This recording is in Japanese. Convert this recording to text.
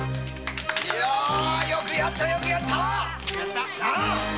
よくやったよくやったな。